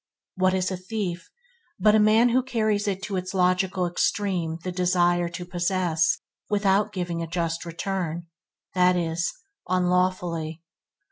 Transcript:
What is a thief but a man who carries to its logical extreme the desire to possess without giving a just return – that is, unlawfully?